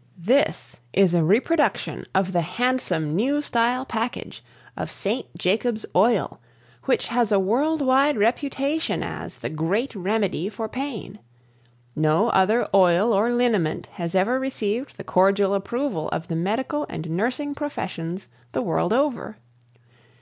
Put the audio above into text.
] This is a reproduction of the handsome New Style Package of ST. JACOBS OIL which has a world wide reputation as The Great Remedy For Pain No other oil or liniment has ever received the cordial approval of the medical and nursing professions the world over.